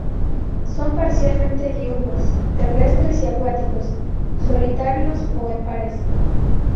Son parcialmente diurnos; terrestres y acuáticos; solitarios o en pares.